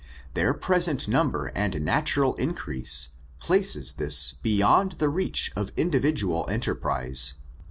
Their present number and natural increase, places this beyond the reach of individual enterprise.